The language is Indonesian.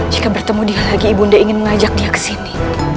jika bertemu dia ibunda ingin mengajak dia ke sini